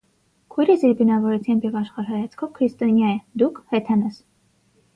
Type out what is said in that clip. Քույրս իր բնավորությամբ և աշխարհայացքով քրիստոնյա է, դուք` հեթանոս: